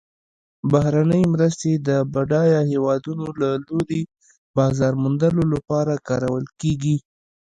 بهرنۍ مرستې د بډایه هیوادونو له لوري بازار موندلو لپاره کارول کیږي.